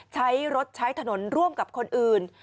ใช้รถใช้ถนนร่วมกับคนอื่น